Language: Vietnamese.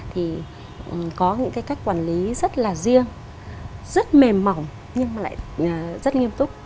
thì có những cách quản lý rất là riêng rất mềm mỏng nhưng lại rất nghiêm túc